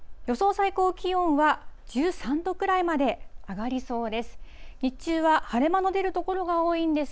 最高気温は１３度くらいまで上がりそうです。